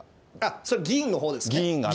それ、議員のほうですね？